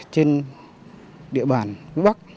trên địa bàn bắc